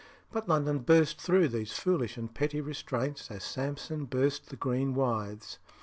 But London burst through these foolish and petty restraints as Samson burst the green withs.